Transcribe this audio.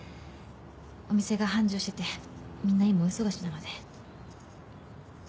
お店が繁盛しててみんな今大忙しなので。